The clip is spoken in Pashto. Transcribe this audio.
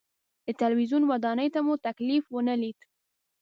د تلویزیون ودانۍ ته مو تکلیف ونه لید.